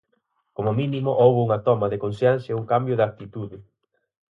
Como mínimo houbo unha toma de conciencia e un cambio de actitude.